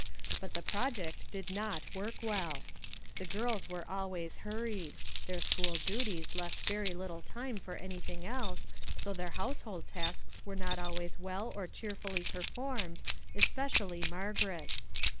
But the project did not work well: the girls were always hurried; their school duties left very little time for anything else, so their household tasks were not always well or cheerfully performed, especially Margaret's.